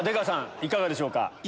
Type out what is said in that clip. いかがでしょうか？